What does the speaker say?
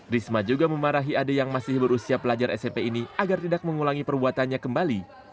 risma juga memarahi ade yang masih berusia pelajar smp ini agar tidak mengulangi perbuatannya kembali